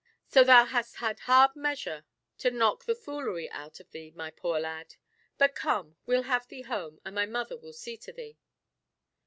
So thou hast had hard measure to knock the foolery out of thee, my poor lad. But come, we'll have thee home, and my mother will see to thee."